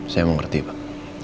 saya mengerti pak